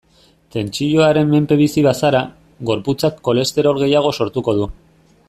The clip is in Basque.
Tentsioaren menpe bizi bazara, gorputzak kolesterol gehiago sortuko du.